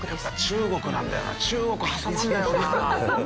中国挟まるんだよな。